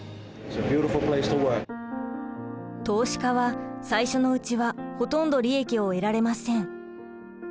投資家は最初のうちはほとんど利益を得られません。